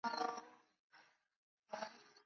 影片在商业上也遭遇了失败。